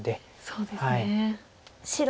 そうですね。